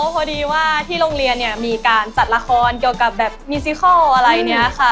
พอดีว่าที่โรงเรียนเนี่ยมีการจัดละครเกี่ยวกับแบบมีซิเคิลอะไรเนี่ยค่ะ